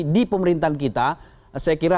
di pemerintahan kita saya kira